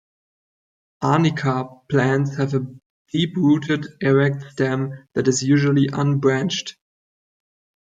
"Arnica" plants have a deep-rooted, erect stem that is usually unbranched.